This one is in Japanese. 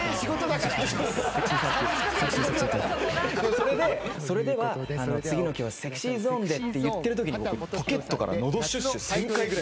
それで「それでは次の曲はＳｅｘｙＺｏｎｅで」って言ってるときに僕ポケットから。